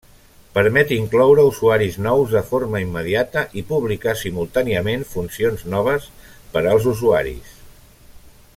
Permet incloure usuaris nous de forma immediata i publicar simultàniament funcions noves per als usuaris.